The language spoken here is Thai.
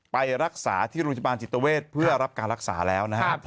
ไปรักษาที่โรงพยาบาลจิตเวทเพื่อรับการรักษาแล้วนะครับ